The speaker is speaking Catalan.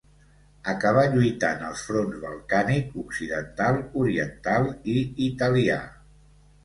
Acabà lluitant als fronts balcànic, occidental, oriental i italià.